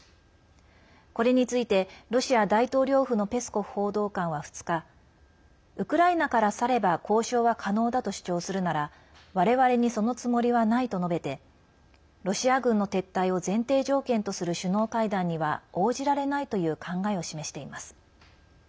これについて、ロシア大統領府のペスコフ報道官は２日ウクライナから去れば交渉は可能だと主張するなら我々にそのつもりはないと述べてロシア軍の撤退を前提条件とする首脳会談には応じられないという考えを示しています。